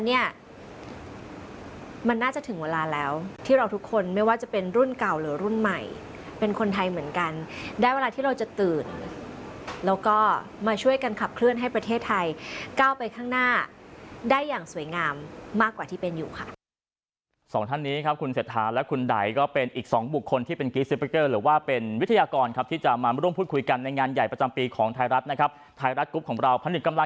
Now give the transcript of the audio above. ได้ถึงเวลาแล้วที่เราทุกคนไม่ว่าจะเป็นรุ่นเก่าหรือรุ่นใหม่เป็นคนไทยเหมือนกันได้เวลาที่เราจะตื่นแล้วก็มาช่วยกันขับเคลื่อนให้ประเทศไทยก้าวไปข้างหน้าได้อย่างสวยงามมากกว่าที่เป็นอยู่ค่ะ